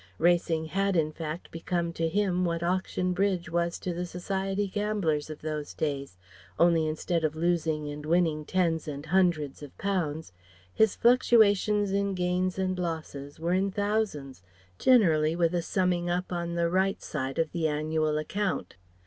Racing had, in fact, become to him what Auction Bridge was to the Society gamblers of those days, only instead of losing and winning tens and hundreds of pounds, his fluctuations in gains and losses were in thousands, generally with a summing up on the right side of the annual account.